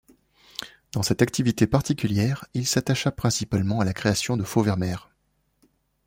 Dans cette activité particulière, il s'attacha principalement à la création de faux Vermeer.